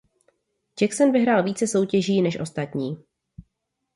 Jackson vyhrál více soutěží než ostatní.